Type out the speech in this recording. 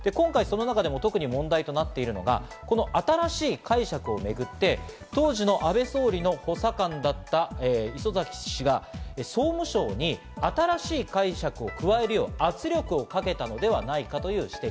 今回、問題になってるのが新しい解釈をめぐって、当時の安倍総理の補佐官だった礒崎氏が総務省に新しい解釈を加えるよう圧力をかけたのではないかという指摘。